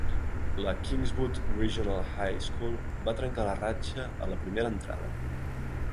La Kingswood Regional High School va trencar la ratxa a la primera entrada.